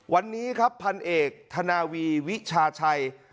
วันนี้ครับพันเอกธนาวีวิชาชัย